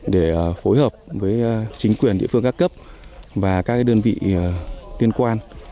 để phối hợp với chính quyền địa phương các cấp và các đơn vị liên quan